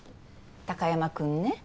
貴山君ね